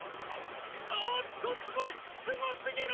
「ああっとすごい！すごすぎる！」